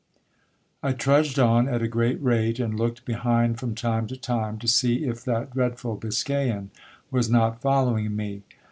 I trudged on at a great rate, and looked behind from time to time, to see if that dreadful Biscayan was not following me.